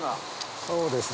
そうですね。